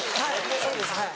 そうですはい。